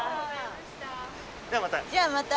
じゃあまた。